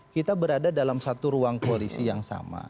kita berada dalam satu ruang koalisi yang sama